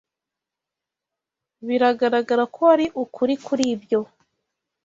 Biragaragara ko wari ukuri kuri ibyo